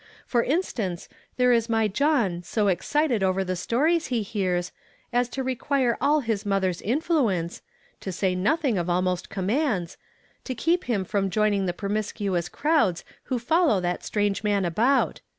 For instance, there is my John so excited over the stories he heai's, as to re(iuire all his mother's influence — to say nothing of almost connuands — to keep him from joining the promiscuous crowds who follow that strange man about.